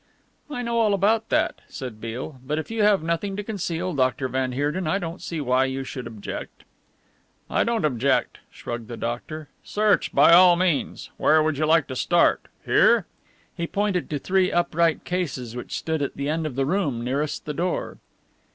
"I know all about that," said Beale, "but if you have nothing to conceal, Dr. van Heerden, I don't see why you should object." "I don't object," shrugged the doctor, "search by all means. Where would you like to start? Here?" He pointed to three upright cases which stood at the end of the room nearest the door.